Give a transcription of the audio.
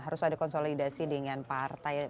harus ada konsolidasi dengan partai politik lain